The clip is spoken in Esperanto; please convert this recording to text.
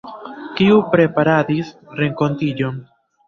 Kiu preparadis renkontiĝon?